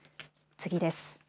次です。